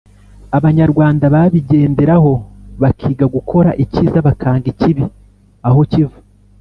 Abanyarwanda babigenderaho bakiga gukora icyiza bakanga ikibi aho kiva